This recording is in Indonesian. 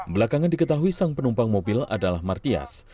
belakangan diketahui sang penumpang mobil adalah martias